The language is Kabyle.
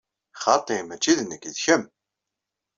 Xaṭi, mačči d nekk, d kemm!